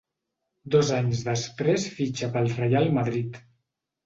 Dos anys després fitxa pel Reial Madrid.